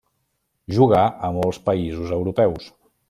Jugà a molts països europeus.